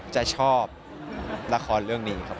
จะชอบละครเรื่องนี้ครับ